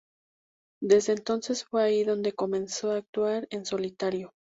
Desde entonces fue ahí donde comenzó a actuar en solitario.